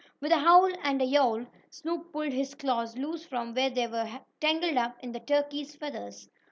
With a howl and a yowl Snoop pulled his claws loose from where they were tangled up in the turkey's feathers.